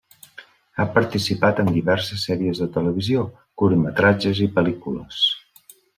Ha participat en diverses sèries de televisió, curtmetratges i pel·lícules.